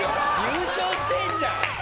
優勝してんじゃん！